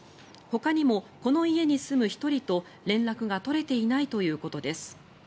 ほかにもこの家に住む１人と連絡が取れていないということです。